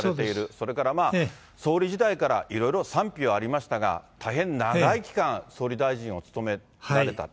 それからまあ、総理時代から、いろいろ賛否はありましたが、大変長い期間、総理大臣を務められた。